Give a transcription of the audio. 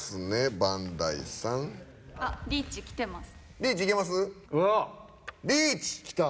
リーチいけます？